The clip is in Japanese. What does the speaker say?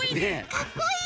かっこいい。